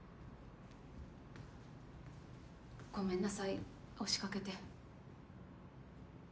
ごめんなさい押しかけて。